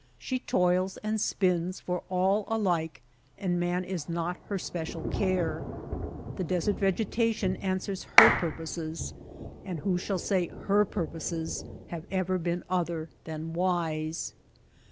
She toils and spins for all alike and man is not her spe cial care. The desert vegetation answers her purposes and who shall say her purposes have ever been other than wise